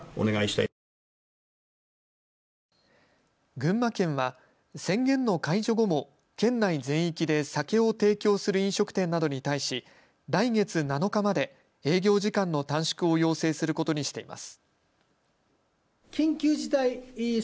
群馬県は宣言の解除後も県内全域で酒を提供する飲食店などに対し来月７日まで営業時間の短縮を要請することにしています。